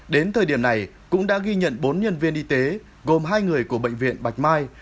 đến thời điểm này cũng đã ghi nhận bốn nhân viên y tế gồm hai người của bệnh viện bạch mai